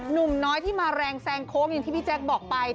หนุ่มน้อยที่มาแรงแซงโค้งอย่างที่พี่แจ๊คบอกไป